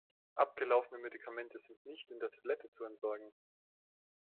Abgelaufene Medikamente sind nicht in der Toilette zu entsorgen.